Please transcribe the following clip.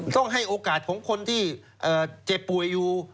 ให้โอกาสของคนที่เจ็บป่วยอยู่